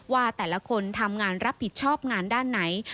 ว่าแต่ละคนทำงานรับผิดชอบงานด้านไหน